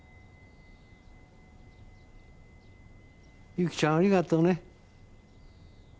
ゆきちゃんありがとね。